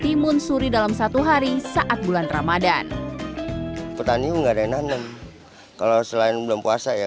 timun suri dalam satu hari saat bulan ramadhan petani enggak ada nanam kalau selain belum puasa ya